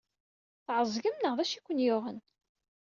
Tɛeẓgem neɣ d acu ay ken-yuɣen?